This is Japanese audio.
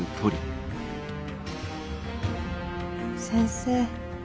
先生